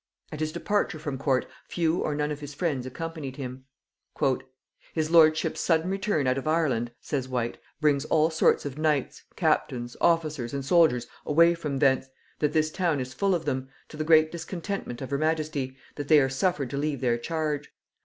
At his departure from court few or none of his friends accompanied him. [Note 133: Rowland Whyte in Sidney Papers.] "His lordship's sudden return out of Ireland," says Whyte, "brings all sorts of knights, captains, officers, and soldiers, away from thence, that this town is full of them, to the great discontentment of her majesty, that they are suffered to leave their charge.